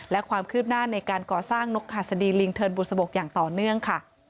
และความคืบหน้าในการก่อสร้างนกหัสดีลิงเทินบุษบกอย่างต่อเนื่องค่ะ